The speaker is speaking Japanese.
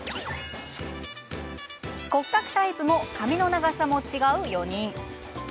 骨格タイプも髪の長さも違う４人。